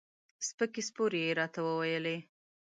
سپکې سپورې یې راته وویلې.